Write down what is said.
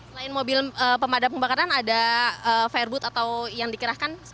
selain mobil pemadam kebakaran ada fireboot atau yang dikirakan